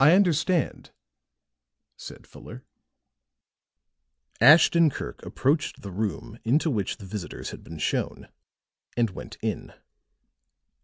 "I understand," answered Fuller. Ashton Kirk approached the room into which the visitors had been shown, and went in.